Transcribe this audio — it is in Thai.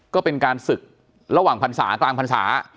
ก็เป็นการศึกระหว่างพรรษากลางพรรษา